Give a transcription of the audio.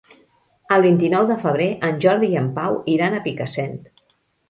El vint-i-nou de febrer en Jordi i en Pau iran a Picassent.